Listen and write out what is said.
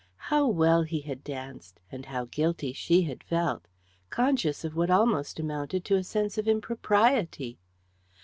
How well he had danced, and how guilty she had felt! Conscious of what almost amounted to a sense of impropriety!